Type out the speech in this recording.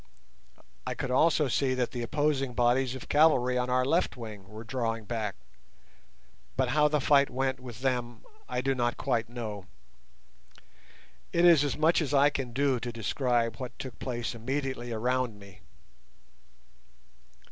I could also see that the opposing bodies of cavalry on our left wing were drawing back, but how the fight went with them I do not quite know. It is as much as I can do to describe what took place immediately around me.